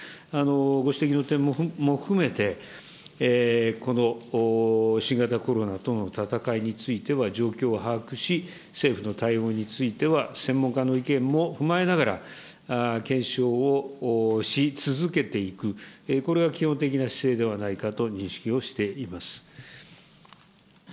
ご指摘の点も含めて、この新型コロナとの闘いについては、状況を把握し、政府の対応については専門家の意見も踏まえながら、検証をし続けていく、これが基本的な姿勢ではないかと認識をしています。